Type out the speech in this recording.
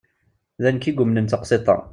D anekk i yumnen taqsiḍt-a.